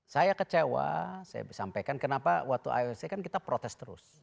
saya kecewa saya sampaikan kenapa waktu ioc kan kita protes terus